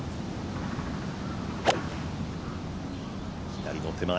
左の手前。